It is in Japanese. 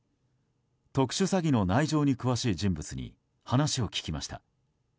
特殊詐欺の内情に詳しい人物に話を聞きました。